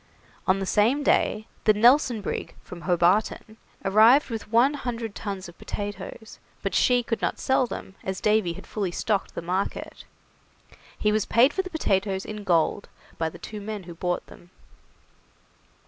On the same day the 'Nelson' brig, from Hobarton, arrived with one hundred tons of potatoes, but she could not sell them, as Davy had fully stocked the market. He was paid for the potatoes in gold by the two men who bought them.